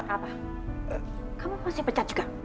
apa kamu masih pecat juga